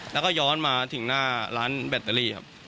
แล้วก็ย้อนมาถึงหน้าร้านแบตเตอรี่ครับ